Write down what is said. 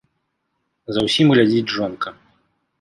За ўсім глядзіць жонка.